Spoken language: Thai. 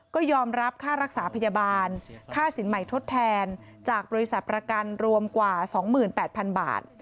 ก็ยอมรับค่ารักษาพยาบาลค่าสินใหม่ทดแทนจากบริษัทประกันรวมกว่า๒๘๐๐๐บาท